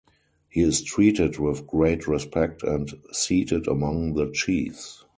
He is treated with great respect and seated among the chiefs.